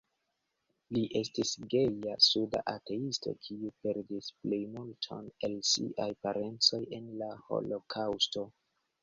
Li estis geja juda ateisto, kiu perdis plejmulton el siaj parencoj en la Holokaŭsto.